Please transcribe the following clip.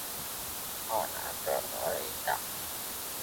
There's too much coke and too much smoke.